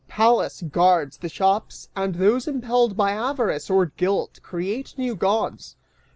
Pallas guards the shops, And those impelled by Avarice or Guilt, create new Gods!